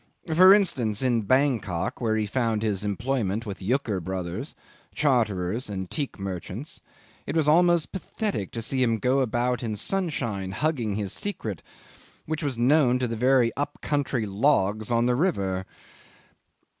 For instance, in Bankok, where he found employment with Yucker Brothers, charterers and teak merchants, it was almost pathetic to see him go about in sunshine hugging his secret, which was known to the very up country logs on the river.